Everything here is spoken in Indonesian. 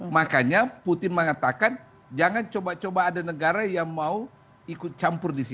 makanya putin mengatakan jangan coba coba ada negara yang mau ikut campur di sini